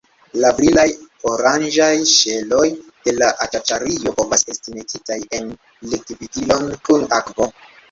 La brilaj oranĝaj ŝeloj de la aĉaĉario povas esti metitaj en likvigilon kun akvo.